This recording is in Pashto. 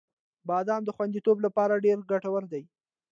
• بادام د خوندیتوب لپاره ډېر ګټور دی.